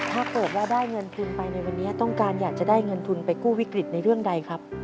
ถ้าเกิดว่าได้เงินทุนไปในวันนี้ต้องการอยากจะได้เงินทุนไปกู้วิกฤตในเรื่องใดครับ